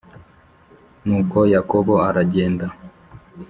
Nuko Yakobo aragenda